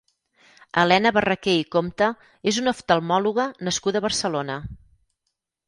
Elena Barraquer i Compte és una oftalmòloga nascuda a Barcelona.